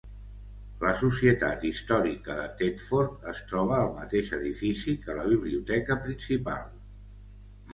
La Societat Històrica de Thetford es troba al mateix edifici que la biblioteca principal.